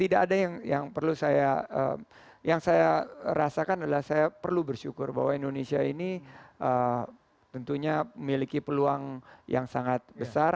tidak ada yang perlu saya yang saya rasakan adalah saya perlu bersyukur bahwa indonesia ini tentunya memiliki peluang yang sangat besar